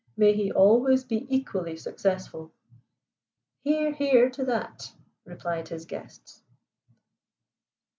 May he always be equally successful!" "Hear, hear to that," replied his guests.